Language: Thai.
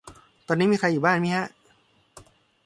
ตอนนี้มีใครอยู่บ้านมิฮะ